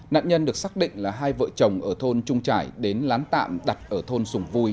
nạn nhân được xác định là hai vợ chồng ở thôn trung trải đến lán tạm đặt ở thôn sùng vui